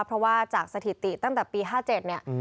เพราะว่าจากสถิติตั้งแต่ปี๕๗เนี่ย